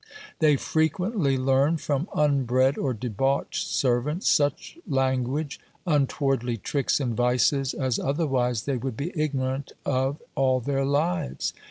They frequently learn from unbred or debauched servants, such language, untowardly tricks and vices, as otherwise they would be ignorant of all their lives.